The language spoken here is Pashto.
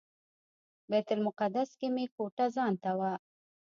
بیت المقدس کې مې کوټه ځانته وه.